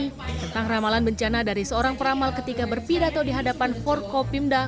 tentang ramalan bencana dari seorang peramal ketika berpidato di hadapan forkopimda